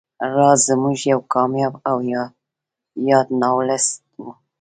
راز زموږ یو کامیاب او یاد ناولسټ و